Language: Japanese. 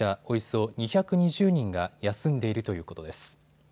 およそ２２０人が休んでいるということです。